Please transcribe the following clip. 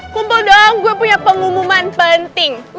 kumpul dong gue punya pengumuman penting